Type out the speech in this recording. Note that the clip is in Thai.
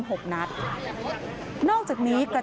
โชว์บ้านในพื้นที่เขารู้สึกยังไงกับเรื่องที่เกิดขึ้น